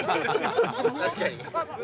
確かに。